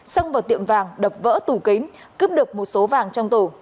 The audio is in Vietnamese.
xâng vào tiệm vàng đập vỡ tủ kính cướp được một số vàng trong tủ